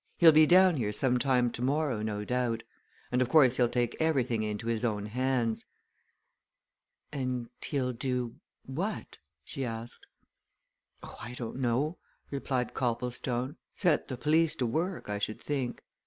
"He'll be down here some time tomorrow, no doubt. And of course he'll take everything into his own hands." "And he'll do what?" she asked. "Oh, I don't know," replied Copplestone. "Set the police to work, I should think.